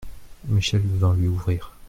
Michelle vint lui ouvrir.